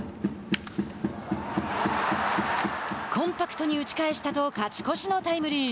「コンパクトに打ち返した」と勝ち越しのタイムリー。